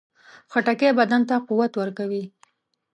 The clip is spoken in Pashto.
خټکی بدن ته قوت ورکوي.